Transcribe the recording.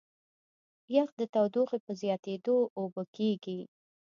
یخ د تودوخې په زیاتېدو اوبه کېږي.